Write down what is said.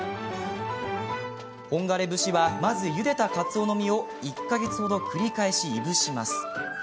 本枯節はまず、ゆでたかつおの身を１か月ほど繰り返しいぶします。